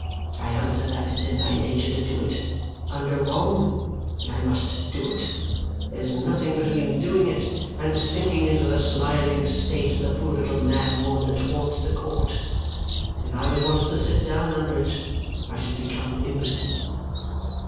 I answer that it's in my nature to do it, under wrong, and I must do it. There's nothing between doing it, and sinking into the smiling state of the poor little mad woman that haunts the court. If I was once to sit down under it, I should become imbecile."